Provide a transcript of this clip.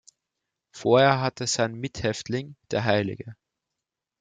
Vorher hatte sein Mithäftling, der hl.